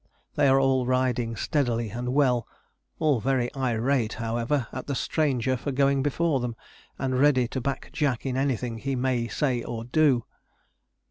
They are all riding steadily and well; all very irate, however, at the stranger for going before them, and ready to back Jack in anything he may say or do.